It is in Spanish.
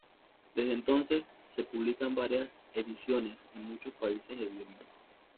Desde entonces, se publican varias ediciones en muchos países e idiomas.